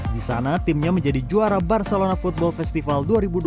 di sana timnya menjadi juara barcelona football festival dua ribu dua puluh